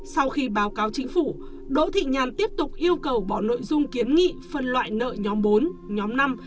sau khi báo cáo chính phủ đỗ thị nhàn tiếp tục yêu cầu bỏ nội dung kiến nghị phân loại nợ nhóm bốn nhóm năm